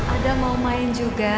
ada mau main juga